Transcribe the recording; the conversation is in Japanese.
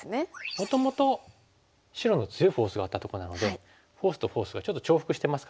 もともと白の強いフォースがあったとこなのでフォースとフォースがちょっと重複してますからね。